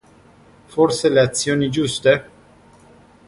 Forse le azioni giuste?